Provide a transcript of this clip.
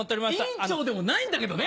委員長でもないんだけどね